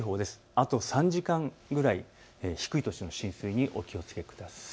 あと３時間ぐらい低い土地の浸水にお気をつけください。